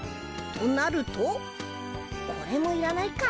となるとこれもいらないか。